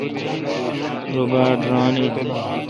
رو باڑ ران این۔